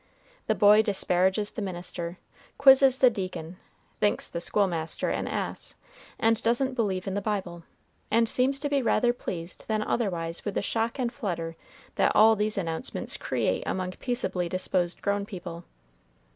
The boy disparages the minister, quizzes the deacon, thinks the school master an ass, and doesn't believe in the Bible, and seems to be rather pleased than otherwise with the shock and flutter that all these announcements create among peaceably disposed grown people.